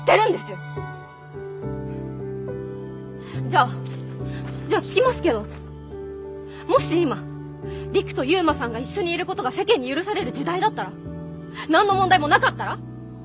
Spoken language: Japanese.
じゃあじゃあ聞きますけどもし今陸と悠磨さんが一緒にいることが世間に許される時代だったら？何の問題もなかったら？